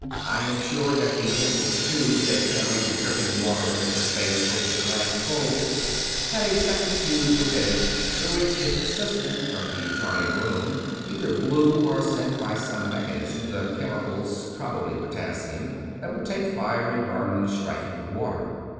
I am sure that the nickeled tube that carried the dripping water into the space over the glass bowl, had a second tube within it; through which his assistant from the adjoining room either blew, or sent by some mechanism, the chemicals 247 True Stories of Modern Magic (probably potassium) that would take fire and burn on striking the water.